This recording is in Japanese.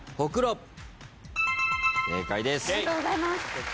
正解です。